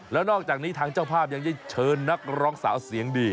แล้วนอกจากนี้ทางเจ้าภาพยังได้เชิญนักร้องสาวเสียงดี